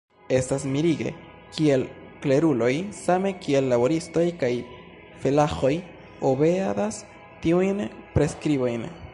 Estas mirige, kiel kleruloj same kiel laboristoj kaj felaĥoj obeadas tiujn preskribojn.